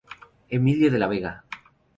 Emilio de la Vega.